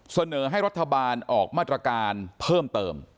เสนอให้รัฐบาลออกมาตรการเพิ่มเติม